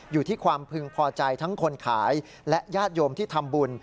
อยู่ที่ความพึงพอใจทั้งคนขายและญาติโยมที่ทำบุญ